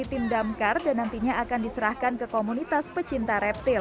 tim damkar dan nantinya akan diserahkan ke komunitas pecinta reptil